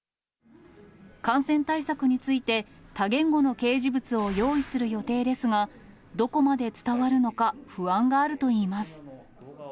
感染対策について、多言語の掲示物を用意する予定ですが、どこまで伝わるのか不安があるといいます。